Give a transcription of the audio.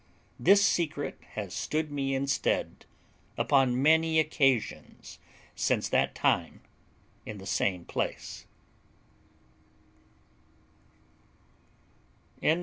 This secret has stood me in stead upon many occasions since that time in the same place.